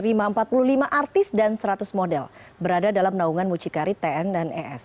lima empat puluh lima artis dan seratus model berada dalam naungan mucikari tn dan es